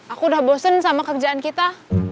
aku udah bosen sama kerjaan kita